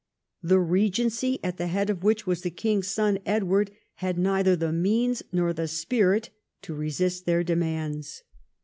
The regency, at the head of which was the king's son Edward, had neither the means nor the spirit to resist their demands.